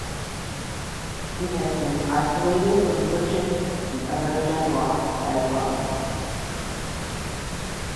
It has been isolated from lichens in other genera as well.